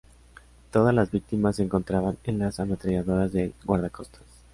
Todas las víctimas se encontraban en las ametralladoras del guardacostas.